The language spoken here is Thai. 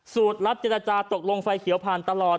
รับเจรจาตกลงไฟเขียวผ่านตลอด